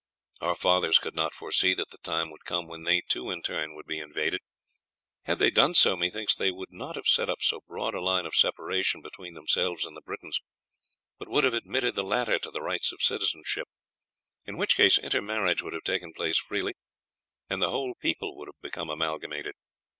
Our fathers could not foresee that the time would come when they too in turn would be invaded. Had they done so, methinks they would not have set up so broad a line of separation between themselves and the Britons, but would have admitted the latter to the rights of citizenship, in which case intermarriage would have taken place freely, and the whole people would have become amalgamated.